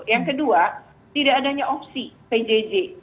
yang kedua tidak adanya opsi pjj